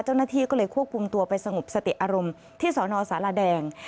เจ้าหน้าที่ก็เลยควบคุมตัวไปสงบสติอารมณ์ที่สนสารแดง